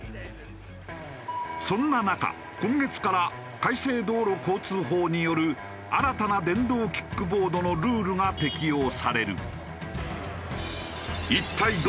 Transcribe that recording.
そんな中今月から改正道路交通法による新たな電動キックボードのルールが適用される。